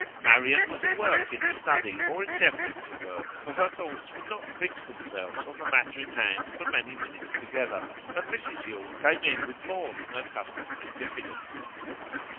Marian was at work in the study, or endeavouring to work, for her thoughts would not fix themselves on the matter in hand for many minutes together, and Mrs Yule came in with more than her customary diffidence.